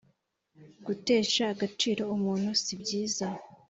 gutesha agaciro umuntu si byiza